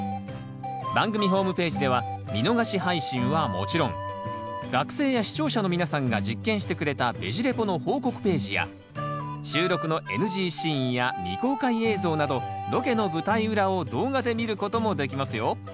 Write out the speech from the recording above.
番組ホームページでは見逃し配信はもちろん学生や視聴者の皆さんが実験してくれた「ベジ・レポ」の報告ページや収録のＮＧシーンや未公開映像などロケの舞台裏を動画で見ることもできますよ。